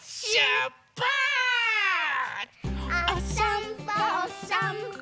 おさんぽおさんぽ。